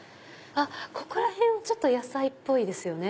ここら辺野菜っぽいですよね。